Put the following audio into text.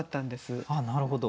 なるほど。